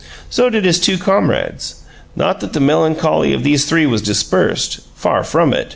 So did his two comrades. Not that the melancholy of these three was dispersed far from it!